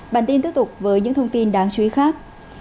bản tin tiếp tục với những thông tin đáng chú ý khác